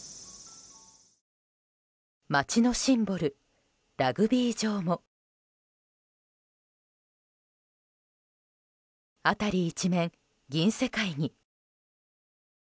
街のシンボル、ラグビー場も辺り一面銀世界に。